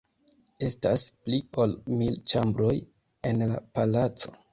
Estas pli ol mil ĉambroj en la palaco.